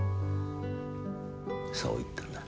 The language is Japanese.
そう言ったんだ。